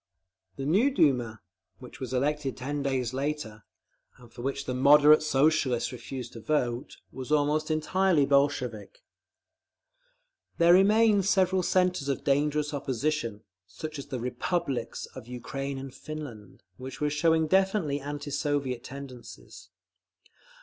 The new Duma, which was elected ten days later, and for which the "Moderate" Socialists refused to vote, was almost entirely Bolshevik…. There remained several centres of dangerous opposition, such as the "republics" of Ukraine and Finland, which were showing definitely anti Soviet tendencies.